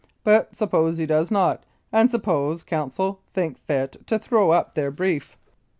But suppose he does not ; and suppose counsel think fit to throw up their brief?